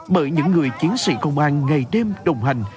bởi những người chiến sĩ công an ngày đêm đồng hành